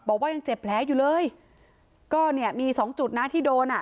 บอกว่ายังเจ็บแผลอยู่เลยก็เนี่ยมีสองจุดนะที่โดนอ่ะ